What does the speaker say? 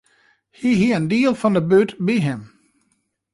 Hy hie in diel fan de bút by him.